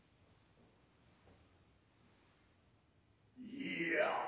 いや